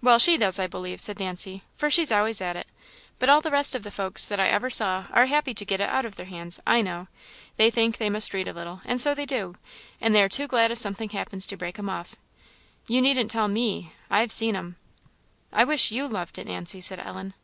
"Well, she does, I believe," said Nancy; "for she's always at it; but all the rest of the folks that ever I saw are happy to get it out of their hands, I know. They think they must read a little, and so they do, and they are too glad if something happens to break 'em off. You needn't tell me I've seen 'em." "I wish you loved it, Nancy," said Ellen.